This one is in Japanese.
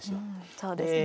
そうですね。